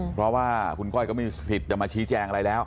เพราะว่าคุณก้อยก็ไม่มีสิทธิ์จะมาชี้แจงอะไรแล้ว